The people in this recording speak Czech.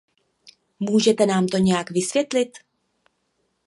Můžete nám to nějak vysvětlit?